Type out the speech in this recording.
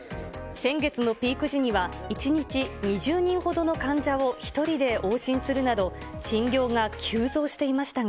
先月のピーク時には１日２０人ほどの患者を１人で往診するなど、診療が急増していましたが。